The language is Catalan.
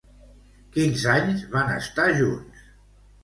Quins anys van estar junts?